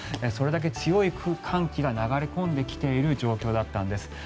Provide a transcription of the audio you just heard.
それだけ強く寒気が流れ込んできている状況だったんです。